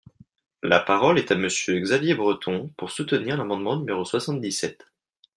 La parole est à Monsieur Xavier Breton, pour soutenir l’amendement numéro soixante-dix-sept.